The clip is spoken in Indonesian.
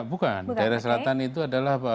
bukan daerah selatan itu adalah